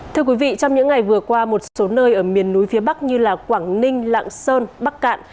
thưa quý vị trong những ngày vừa qua một số nơi ở miền núi phía bắc như quảng ninh lạng sơn bắc cạn